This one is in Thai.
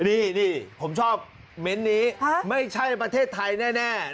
นี่ผมชอบเม้นต์นี้ไม่ใช่ประเทศไทยแน่